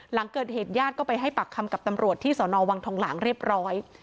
หลังเกิดเหตุญาติก็ไปให้ปากคำกับตำรวจที่สนวังทองหลางเรียบร้อย